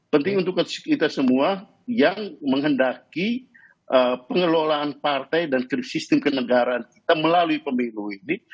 penting untuk kita semua yang menghendaki pengelolaan partai dan sistem kenegaraan kita melalui pemilu ini